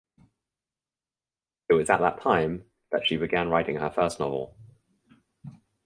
It was at that time that she began writing her first novel.